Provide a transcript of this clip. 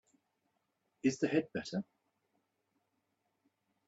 Is the head better?